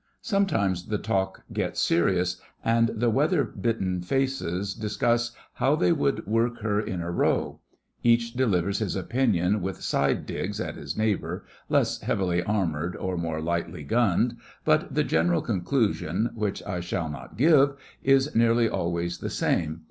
Sometimes the talk gets serious, and the weather bitten faces discuss how they would 'work her in a row.' Each delivers his opinion with side digs at his neighbour, less heavily armoured or more lightly gunned, but the general conclusion (which I shall not give) is nearly always the same.